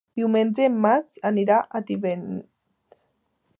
Diumenge en Max anirà a Tivenys.